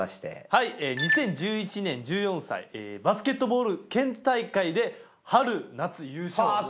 はい２０１１年１４歳バスケットボール県大会で春・夏優勝。